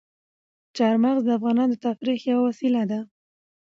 چار مغز د افغانانو د تفریح یوه وسیله ده.